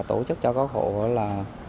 tổ chức cho các hộ là